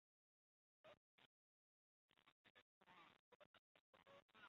中华光尾鲨为猫鲨科光尾鲨属的鱼类。